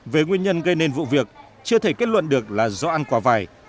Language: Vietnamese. về nguyên nhân gây nên vụ việc chưa thể kết luận được là do ăn quả vải